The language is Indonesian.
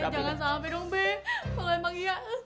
jangan sampai dong be kau memang iya